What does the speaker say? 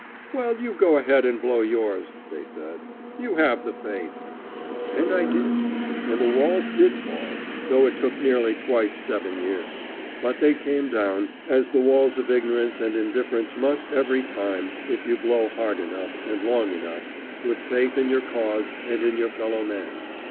"Well, you go ahead and blow yours," they said; "you have the faith." And I did, and the walls did fall, though it took nearly twice seven years. But they came down, as the walls of ignorance and indifference must every time, if you blow hard enough and long enough, with faith in your cause and in your fellow man.